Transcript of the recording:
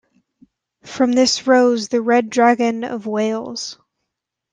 From this rose the red dragon of Wales.